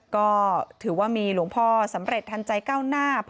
ก็ถือว่ามีหลวงพ่อสำเร็จทันใจก้าวหน้า